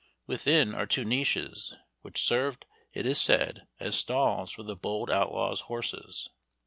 Within are two niches, which served, it is said, as stalls for the bold outlaw's horses.